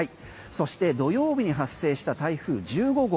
そして土曜日に発生した台風１５号。